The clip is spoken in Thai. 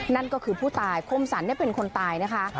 นั่นก็คือผู้ตายคมสรรเป็นคนตายนะคะ